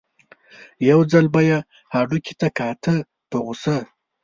یو ځل به یې هډوکي ته کاته په غوسه.